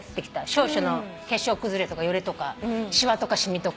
少々の化粧崩れとかよれとかしわとかしみとか。